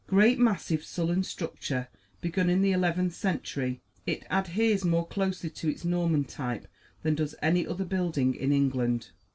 Great, massive, sullen structure begun in the Eleventh Century it adheres more closely to its Norman type than does any other building in England.